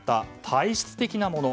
体質的なもの。